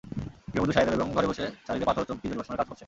গৃহবধূ শাহিদা বেগম ঘরে বসে শাড়িতে পাথর, চুমকি, জরি বসানোর কাজ করছেন।